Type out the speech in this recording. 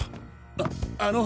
ああの。